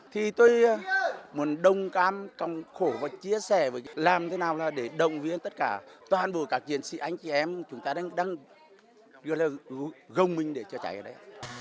thì tôi muốn đồng cảm công khổ và chia sẻ làm thế nào để đồng viên tất cả toàn bộ các chiến sĩ anh chị em chúng ta đang gồng mình để chạy ở đấy